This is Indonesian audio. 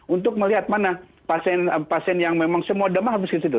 untuk melihat mana pasien pasien yang memang semua demam harus ke situ